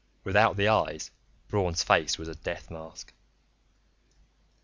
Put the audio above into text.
Without the eyes, Braun's face was a death mask.